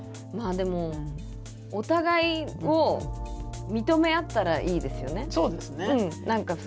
まあでもお互いを認め合ったらいいですよね。